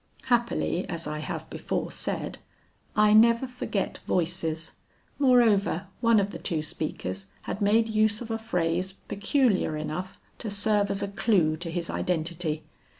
Happily as I have before said, I never forget voices; moreover one of the two speakers had made use of a phrase peculiar enough to serve as a clue to his identity.